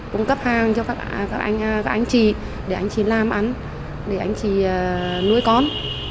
cung cấp hàng cho các anh chị để anh chị làm ăn để anh chị nuôi con